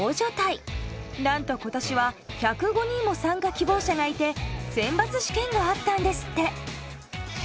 何と今年は１０５人も参加希望者がいて選抜試験があったんですって。